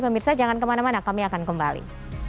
pemirsa jangan kemana mana kami akan kembali